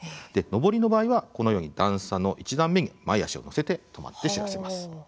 上りの場合は、このように段差の１段目に前足を乗せて止まって知らせます。